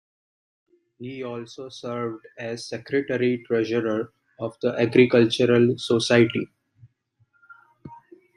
He also served as secretary-treasurer of the Agricultural Society.